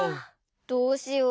どうしよう